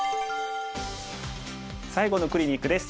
最後のクリニックです。